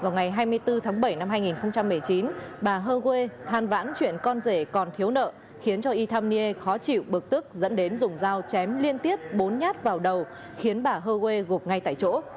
ngày hai mươi bốn tháng bảy năm hai nghìn một mươi chín bà hơ quê than vãn chuyển con rể còn thiếu nợ khiến cho y tham nghê khó chịu bực tức dẫn đến dùng dao chém liên tiết bốn nhát vào đầu khiến bà hơ quê gục ngay tại chỗ